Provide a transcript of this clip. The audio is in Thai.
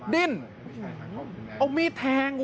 ดิ้นเอามีดแทง